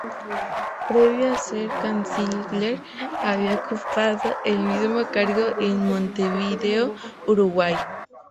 Previo a ser canciller había ocupado el mismo cargo en Montevideo, Uruguay.